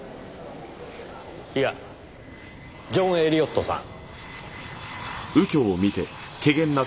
いやジョン・エリオットさん。